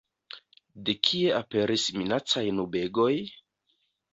De kie aperis minacaj nubegoj?